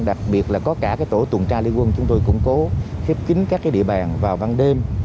đặc biệt là có cả tổ tuần tra lý quân chúng tôi củng cố khiếp kín các địa bàn vào văn đêm